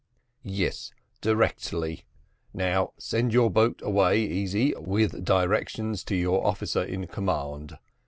"Yes, directly; now send your boat away, Easy, with directions to your officer in command.